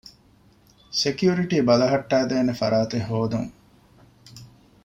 ސެކިއުރިޓީ ބަލަހައްޓައިދޭނެ ފަރާތެއް ހޯދުން